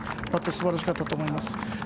素晴らしかったと思います。